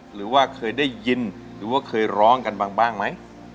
หรือว่าเคยได้ยินหรือว่าเคยร้องกันบ้างไหม